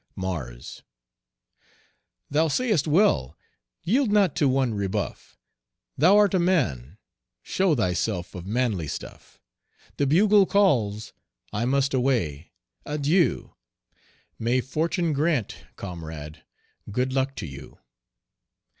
MARS. Thou sayest well! Yield not to one rebuff. Thou'rt a man, show thyself of manly stuff. The bugle calls! I must away! Adieu! May Fortune grant, comrade, good luck to you!